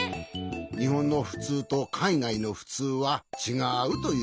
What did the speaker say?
にほんのふつうとかいがいのふつうはちがうということじゃな。